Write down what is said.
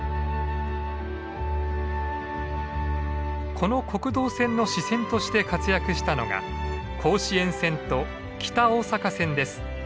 この国道線の支線として活躍したのが甲子園線と北大阪線です。